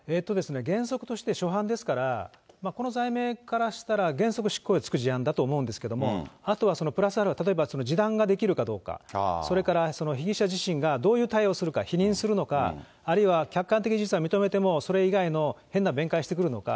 原則として初犯ですから、この罪名からしたら、原則、執行猶予がつく事案だと思うんですけど、あとはプラスアルファ、示談ができるかどうか、それから被疑者自身がどういう対応をするか、否認するのか、あるいは客観的事実は認めてもそれ以外の変な弁解をしてくるのか。